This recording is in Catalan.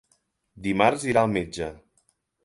Dimarts irà al metge.